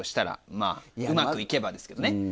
まぁうまく行けばですけどね。